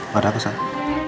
pada apa saatnya